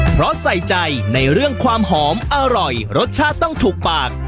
เพราะใส่ใจในเรื่องความหอมอร่อยรสชาติต้องถูกปาก